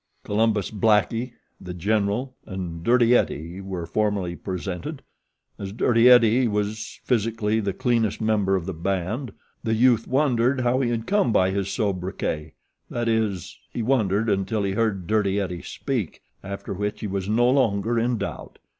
Columbus Blackie, The General, and Dirty Eddie were formally presented. As Dirty Eddie was, physically, the cleanest member of the band the youth wondered how he had come by his sobriquet that is, he wondered until he heard Dirty Eddie speak, after which he was no longer in doubt.